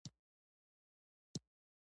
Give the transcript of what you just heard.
پامیر د افغانستان د شنو سیمو د ښکلا نښه ده.